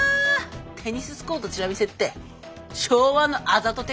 テニススコートチラ見せって昭和のあざとテクかよ。